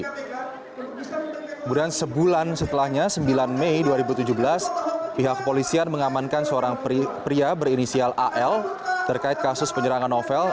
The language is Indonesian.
kemudian sebulan setelahnya sembilan mei dua ribu tujuh belas pihak kepolisian mengamankan seorang pria berinisial al terkait kasus penyerangan novel